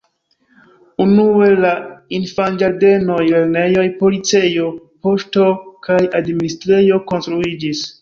Unue la infanĝardenoj, lernejoj, policejo, poŝto kaj administrejo konstruiĝis.